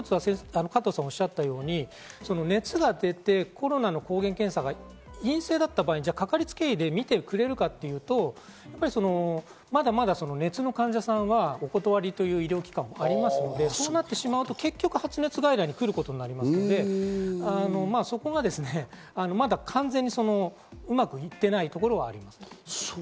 また熱が出て、コロナの抗原検査が陰性だった場合にかかりつけ医で診てくれるかというと、まだまだ熱の患者さんはお断りという医療機関もありますので、そうなってしまうと、結局、発熱外来に来ることになりますので、そこはまだ完全にうまくいってないところがあります。